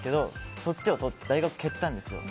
そっちをとって大学を蹴ったんですよ。